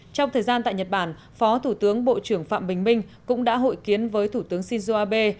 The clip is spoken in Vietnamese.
trong thời gian tại nhật bản phó thủ tướng bộ trưởng phạm bình minh cũng đã hội kiến với thủ tướng shinzo abe